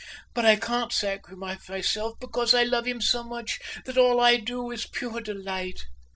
But I can't sacrifice myself, because I love him so much that all I do is pure delight."